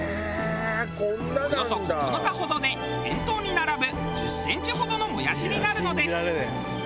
およそ９日ほどで店頭に並ぶ１０センチほどのもやしになるのです。